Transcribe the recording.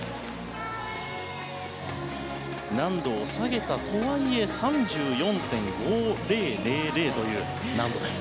難度を下げたとはいえ３４．５００という難度です。